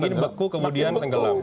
tapi dingin beku kemudian tenggelam